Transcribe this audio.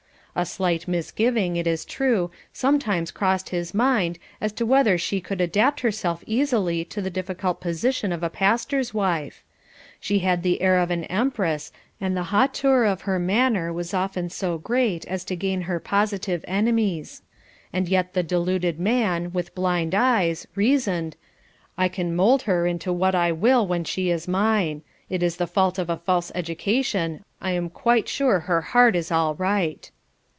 A slight misgiving, it is true, sometimes crossed his mind as to whether she could adapt herself easily to the difficult position of a pastor's wife. She had the air of an empress, and the hauteur of her manner was often so great as to gain her positive enemies, and yet the deluded man, with blind eyes, reasoned, "I can mould her to what I will when she is mine; it is the fault of a false education, I am quite sure her heart is all right."